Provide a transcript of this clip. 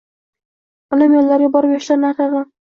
Onam yonlariga borib yoshlarini artardim